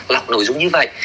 lọc nội dung như vậy